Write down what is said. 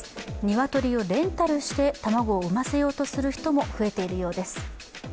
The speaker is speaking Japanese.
鶏をレンタルして卵を産ませようとする人も増えているようです。